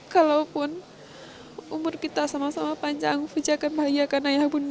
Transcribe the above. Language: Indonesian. kalaupun umur kita sama sama panjang puji akan bahagia karena ayah bunda